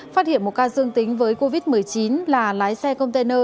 phát hiện một ca dương tính với covid một mươi chín là lái xe container